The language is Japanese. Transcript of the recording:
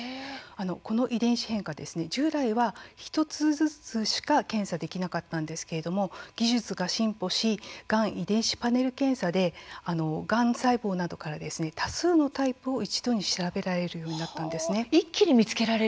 この遺伝子変化、従来は１つずつしか検査できなかったんですが技術が進歩しがん遺伝子パネル検査でがん細胞などから多数のタイプを一度に調べられるようになったんです。